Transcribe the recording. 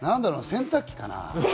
洗濯機かな？